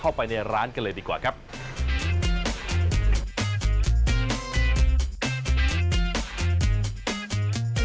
เอาล่ะเดินทางมาถึงในช่วงไฮไลท์ของตลอดกินในวันนี้แล้วนะครับ